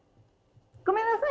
ごめんなさい！